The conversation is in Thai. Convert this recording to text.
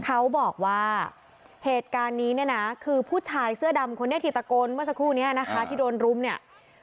เขาบอกว่าเหตุการณ์นี้เนี่ยนะคือผู้ชายเสื้อดำคนนี้ที่ตะโกนเมื่อสักครู่นี้นะคะที่โดนรุมเนี่ย